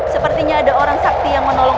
sepertinya ada orang sakti yang menolong